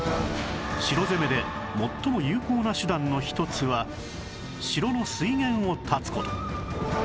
城攻めで最も有効な手段の一つは城の水源を断つ事